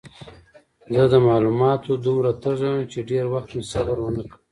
زه د معلوماتو دومره تږی وم چې ډېر وخت مې صبر ونه کړ.